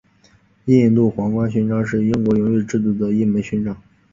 印度皇冠勋章是英国荣誉制度中的一枚勋章。